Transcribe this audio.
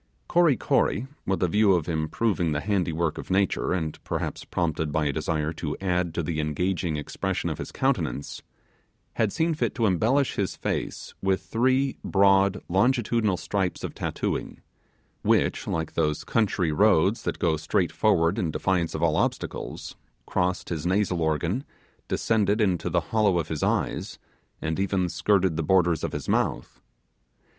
Kory Kory, with a view of improving the handiwork of nature, and perhaps prompted by a desire to add to the engaging expression of his countenance, had seen fit to embellish his face with three broad longitudinal stripes of tattooing, which, like those country roads that go straight forward in defiance of all obstacles, crossed his nasal organ, descended into the hollow of his eyes, and even skirted the borders of his mouth.